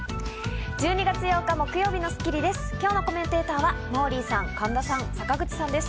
１２月８日、木曜日の『スッキリ』です。